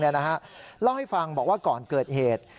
เล่าให้ฟังบอกว่าก่อนเกิดเหตุ